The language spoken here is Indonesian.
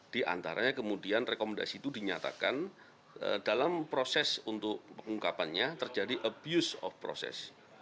di antaranya kemudian rekomendasi itu dinyatakan dalam proses untuk pengungkapannya terjadi abuse of process